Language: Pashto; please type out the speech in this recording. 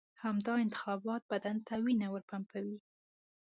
همدا انتخابات بدن ته وینه ورپمپوي.